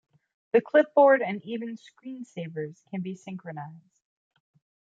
The clipboard and even screensavers can be synchronized.